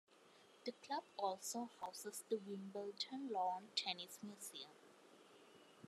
The Club also houses the Wimbledon Lawn Tennis Museum.